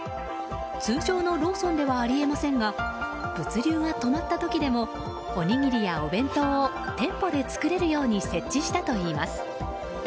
通常のローソンではあり得ませんが物流が止まった時でもおにぎりやお弁当を店舗で作れるように設置したといいます。